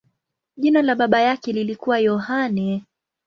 Jina la baba yake lilikuwa Yohane.